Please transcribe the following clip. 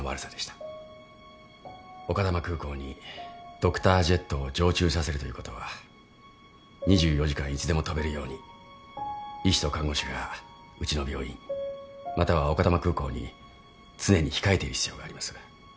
丘珠空港にドクタージェットを常駐させるということは２４時間いつでも飛べるように医師と看護師がうちの病院または丘珠空港に常に控えている必要があります。